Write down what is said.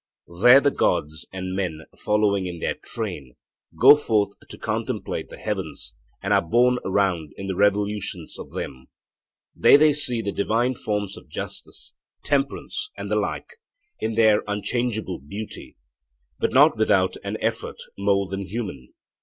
There the Gods, and men following in their train, go forth to contemplate the heavens, and are borne round in the revolutions of them. There they see the divine forms of justice, temperance, and the like, in their unchangeable beauty, but not without an effort more than human.